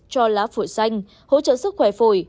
cho lá phổi xanh hỗ trợ sức khỏe phổi